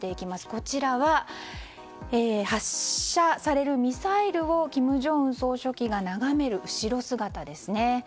こちらは、発射されるミサイルを金正恩総書記が眺める後ろ姿です。